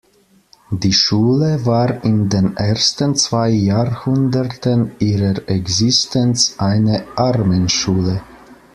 Die Schule war in den ersten zwei Jahrhunderten ihrer Existenz eine Armenschule.